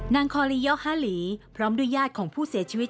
นางคอลียอฮาหลีพร้อมด้วยญาติของผู้เสียชีวิต